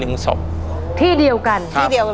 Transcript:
ที่เดียวกันที่เดียวกันเลย